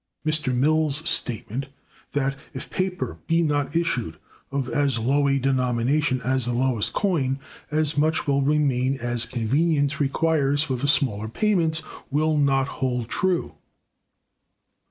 Mr. Mill's statement, that, if paper be not issued of as low a denomination as the lowest coin, "as much will remain as convenience requires for the smaller payments," will not hold true.